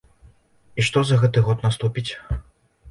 І што за гэты год наступіць?